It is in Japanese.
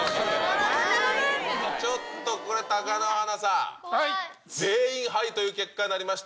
ちょっとこれ、貴乃花さん、全員ハイという結果になりました。